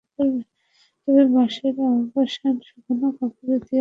তবে বাঁশের আসবাব শুকনো কাপড় দিয়ে অন্তত দুই দিন পরপর মুছতে হবে।